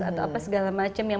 atau apa segala macam yang